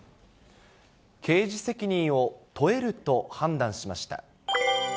刑事責任を問えると判断しま